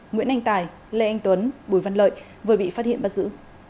nguyễn anh tài lê anh tuấn bùi văn lợi vừa bị phát hiện bắt giữ